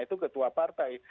itu ketua partai